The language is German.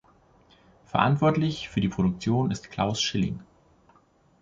Verantwortlich für die Produktion ist Klaus Schilling.